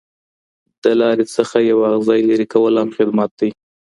د لارې څخه یو اغزی لرې کول هم خدمت دی.